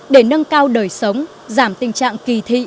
để nâng cao đời sống giảm tình trạng kỳ thị